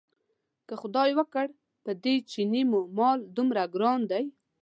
که خدای وکړ په دې چیني چې مال دومره ګران دی.